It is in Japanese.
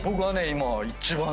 今。